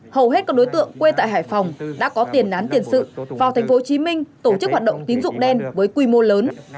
hầu hết các đối tượng quê tại hải phòng đã có tiền án tiền sự vào tp hcm tổ chức hoạt động tín dụng đen với quy mô lớn